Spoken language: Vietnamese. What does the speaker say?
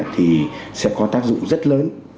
thì sẽ có tác dụng rất lớn